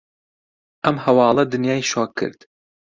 ئەم هەواڵە دنیای شۆک کرد.